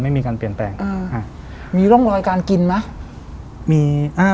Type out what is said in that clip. ไม่มีการเปลี่ยนแปลงอ่าฮะมีร่องรอยการกินไหมมีอ่า